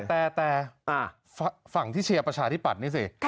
แต่ฝั่งที่เชียร์ประชาธิปัตย์นี่สิ